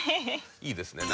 いいですね。